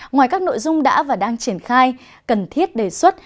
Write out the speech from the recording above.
ngoài các nội dung đã và đang triển khai cần thiết đề xuất